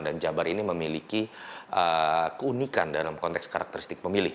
dan jabar ini memiliki keunikan dalam konteks karakteristik pemilih